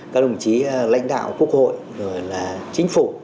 các đồng chí lãnh đạo quốc hội rồi là chính phủ